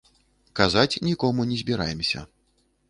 Казаць нікому не збіраемся.